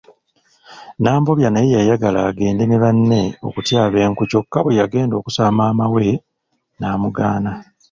Nambobya naye yayagala agende ne banne okutyaba enku kyokka bweyagenda okusaba maama we n'amugaana.